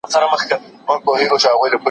پیرودونکي تل د ارزانه توکو په لټه کي دي.